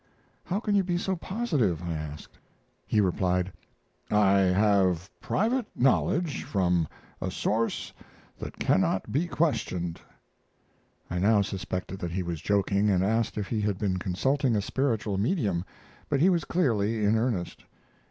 "How can you be so positive?" I asked. He replied: "I have private knowledge from a source that cannot be questioned." I now suspected that he was joking, and asked if he had been consulting a spiritual medium; but he was clearly in earnest.